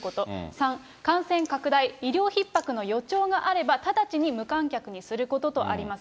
３、感染拡大・医療ひっ迫の予兆があれば、直ちに無観客にすることとあります。